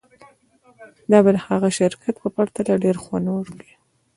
دا به د هغه شرکت په پرتله ډیر خوندور وي